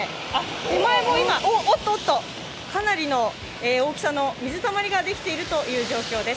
手前も今、おっと、おっとかなりの大きさの水たまりができているという状況です。